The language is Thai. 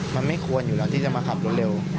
มันไม่ควรอยู่แล้วที่จะมาขับรถเร็ว